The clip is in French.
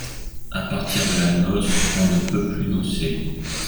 À partir de la noce, on ne peut plus nocer.